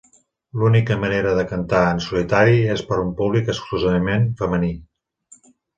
L'única manera de cantar en solitari és per a un públic exclusivament femení.